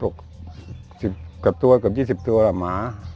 กับ๑๐กับตัวกับ๒๐ตัวล่ะหมา